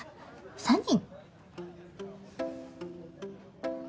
３人？